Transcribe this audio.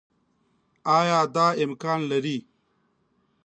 آيا دا امکان لري